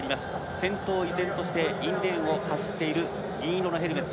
先頭、依然としてインレーンを走っている銀色のヘルメット。